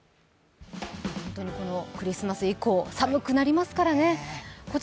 クリスマス以降、寒くなりますからね。